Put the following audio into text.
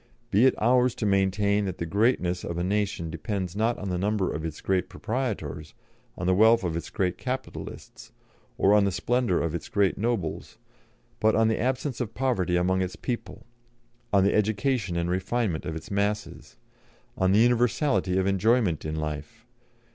Be it ours to maintain that the greatness of a nation depends not on the number of its great proprietors, on the wealth of its great capitalists, or the splendour of its great nobles, but on the absence of poverty among its people, on the education and refinement of its masses, on the universality of enjoyment in life....